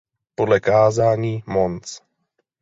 Podle kázání Mons.